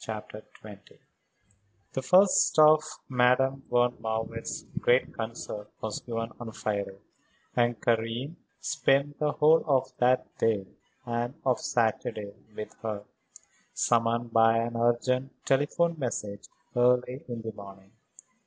CHAPTER XX The first of Madame von Marwitz's great concerts was given on Friday, and Karen spent the whole of that day and of Saturday with her, summoned by an urgent telephone message early in the morning.